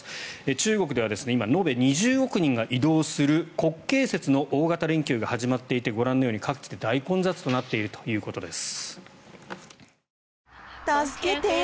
中国では延べ２０億人が移動する国慶節の大型連休が始まっていてご覧のように各地で大混雑になっているということです。